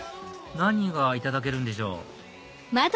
何がいただけるんでしょう？